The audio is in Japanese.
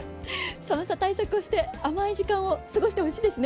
寒さ対策をして甘い時間を過ごしてほしいですね。